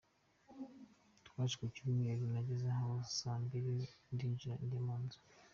Twaje ku cyumweru nageze hano saa mbili ndinjira njya mu nzu.